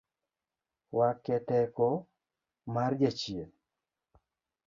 Wake teko mar jachien